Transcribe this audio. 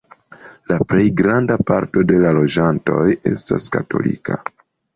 La plej granda parto de la loĝantoj estas katolika.